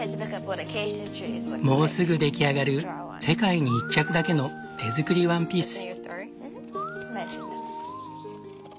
もうすぐ出来上がる世界に一着だけの手作りワンピース。